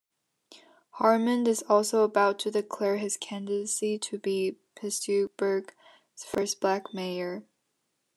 Harmond is also about to declare his candidacy to be Pittsburgh's first black mayor.